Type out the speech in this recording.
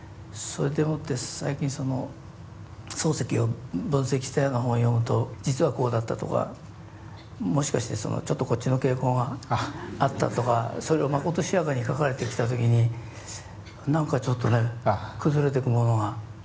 それでもって最近その漱石を分析したような本を読むと実はこうだったとかもしかしてちょっとこっちの傾向があったとかそれをまことしやかに書かれてきた時に何かちょっとね崩れてくものがあったりして。